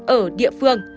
ở địa phương